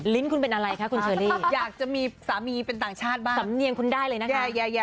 คุณเป็นอะไรคะคุณเชอรี่อยากจะมีสามีเป็นต่างชาติบ้างสำเนียงคุณได้เลยนะคะ